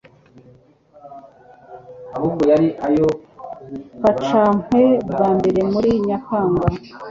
Kacapwe bwa mbere muri Nyakanga